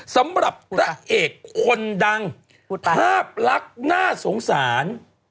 สำหรับพระเอกคนดังภาพลักษณ์น่าสงสาร